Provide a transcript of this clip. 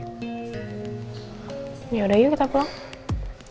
ya udah yuk kita pulang